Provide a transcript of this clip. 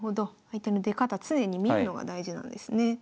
相手の出方常に見るのが大事なんですね。